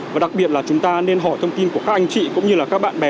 và đặc biệt là chúng ta nên hỏi thông tin của các anh chị cũng như là các bạn bè